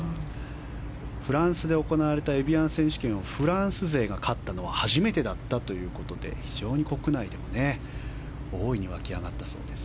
フランスで行われたエビアン選手権をフランス勢が勝ったのは初めてだったということで非常に国内でも大いに沸き上がったそうです。